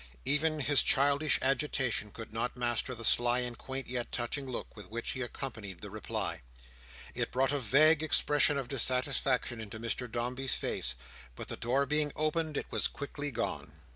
Even his childish agitation could not master the sly and quaint yet touching look, with which he accompanied the reply. It brought a vague expression of dissatisfaction into Mr Dombey's face; but the door being opened, it was quickly gone.